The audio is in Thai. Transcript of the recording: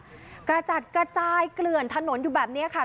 กระจัดกระจายเกลื่อนถนนอยู่แบบนี้ค่ะ